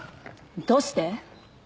どうして？